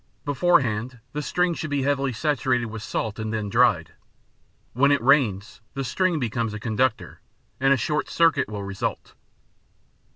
Beforehand, the string should be heavily saturated with salt and then dried. When it rains, the string becomes a conductor, and a short circuit will result.